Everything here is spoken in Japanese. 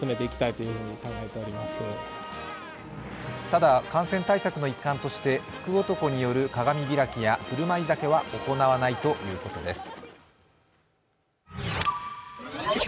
ただ、感染対策の一環として福男による鏡開きや振る舞い酒は行わないということです。